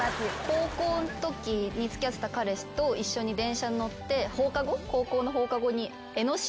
高校んときに付き合ってた彼氏と一緒に電車乗って高校の放課後に。